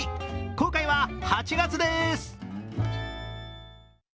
公開は８月です！